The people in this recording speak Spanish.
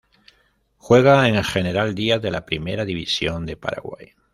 Juega en el General Díaz de la Primera División de Paraguay.